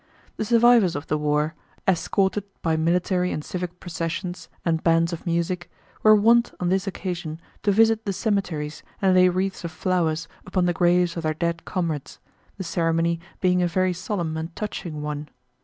The survivors of the war, escorted by military and civic processions and bands of music, were wont on this occasion to visit the cemeteries and lay wreaths of flowers upon the graves of their dead comrades, the ceremony being a very solemn and touching one.